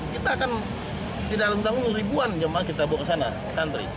kita akan tidak lantang ribuan jemaah kita bawa ke sana